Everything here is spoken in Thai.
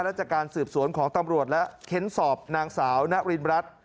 และจากการสืบสวนของตำรวจและเค้นสอบนางสาวนรินรัฐ